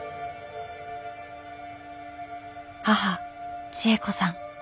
母千恵子さん。